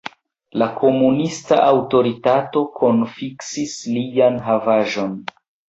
La komunista aŭtoritato konfiskis lian havaĵon.